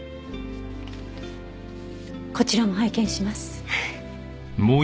こちらも拝見します。